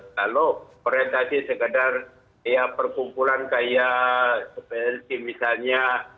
kalau perhentasinya sekadar perkumpulan seperti misalnya